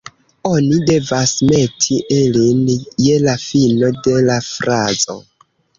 Oni devas meti ilin je la fino de la frazo